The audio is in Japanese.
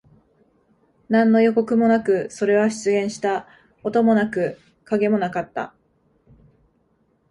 何の予告もなく、それは出現した。音もなく、影もなかった。